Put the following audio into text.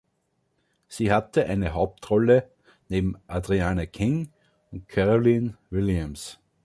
Sie hatte eine Hauptrolle neben Adrienne King und Caroline Williams.